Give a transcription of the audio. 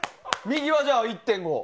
右はじゃあ１．５。